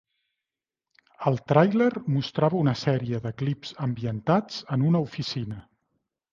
El tràiler mostrava una sèrie de clips ambientats en una oficina.